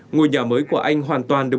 ngôi nhà mới của anh hoàn toàn được